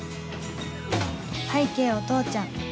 拝啓お父ちゃん